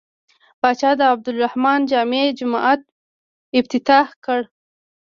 پاچا د عبدالرحمن جامع جومات افتتاح کړ.